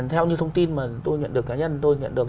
theo như thông tin mà tôi nhận được cá nhân tôi nhận được